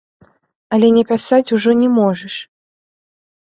Але не пісаць ужо не можаш.